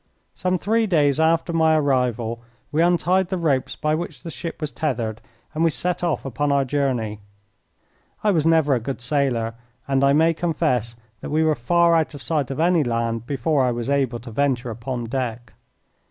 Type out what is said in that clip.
Some three days after my arrival we untied the ropes by which the ship was tethered and we set off upon our journey. I was never a good sailor, and I may confess that we were far out of sight of any land before I was able to venture upon deck.